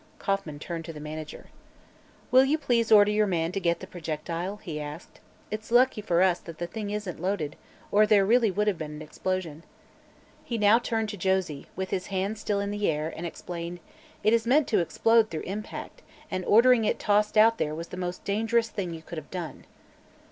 Kauffman turned to the manager. "Will you please order your man to get the projectile?" he asked. "It is lucky for us all that the thing isn't loaded, or there really would have been an explosion." He now turned to Josie, with his hands still in the air, and explained: "It is meant to explode through impact, and ordering it tossed out there was the most dangerous thing you could have done."